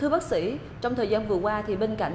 thưa bác sĩ trong thời gian vừa qua thì bên cạnh